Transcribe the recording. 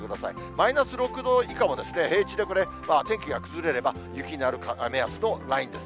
マイナス６度以下は平地でこれ、天気が崩れれば雪になる目安のラインです。